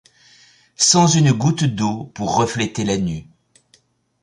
Sans une goutte d’eau pour refléter la nue.